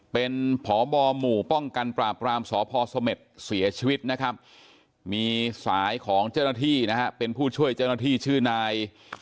เป็นพบหมู่ป้องกันปราบรามสพสเมษเสียชีวิตนะครับมีสายของเจ้าหน้าที่นะฮะเป็นผู้ช่วยเจ้าหน้าที่ชื่อนาย